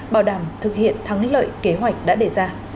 bảo đảm thực hiện thắng lợi kế hoạch đã đề ra